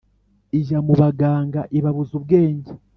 ijya mu baganga ibabuza ubwenge